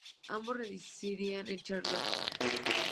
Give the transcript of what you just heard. Ambos residían en Charlotte.